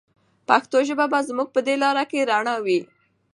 پښتو ژبه به زموږ په دې لاره کې رڼا وي.